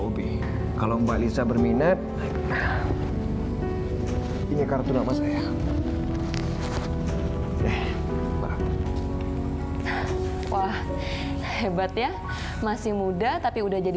hobi kalau mbak lisa berminat ini kartu nama saya wah hebat ya masih muda tapi udah jadi